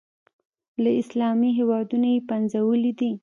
له اسلامي هېوادونو یې پنځولي دي.